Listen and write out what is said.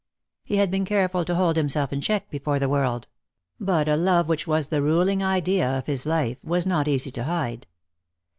He had been careful to hold himself in check before the world ; but a love which was the ruling idea of his life was not easy to , hide.